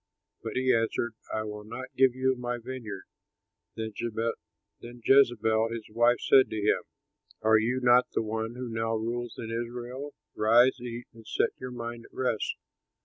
But he answered, 'I will not give you my vineyard.'" Then Jezebel his wife said to him, "Are you not the one who now rules in Israel? Rise, eat, and set your mind at rest.